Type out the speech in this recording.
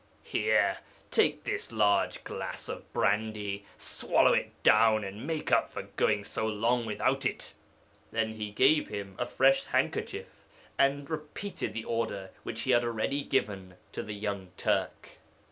Here, take this large glass of brandy, swallow it down, and make up for going so long without it." Then he gave him a fresh handkerchief, and repeated the order which he had already given to the young Turk.